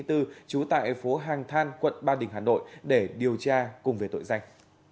trú tại phố hàng than quận ba đình hà nội để điều tra cùng về tội danh